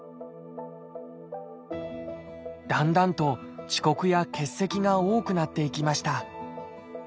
だんだんと遅刻や欠席が多くなっていきました。